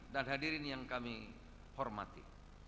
dan hadirin yang kami hormati